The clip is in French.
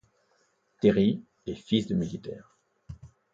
Terry est fils de militaire.